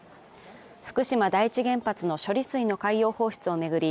福島第一原発の処理水の海洋放出を巡り